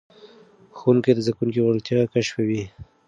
ښوونکي د زده کوونکو وړتیاوې کشفوي.